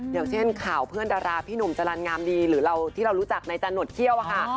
อย่างเช่นข่าวเพื่อนดาราพี่หนุ่มจรรย์งามดีหรือเราที่เรารู้จักในจานวดเขี้ยวค่ะ